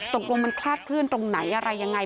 ตรงกลงมันคลาดขึ้นตรงไหนอะไรอย่างไร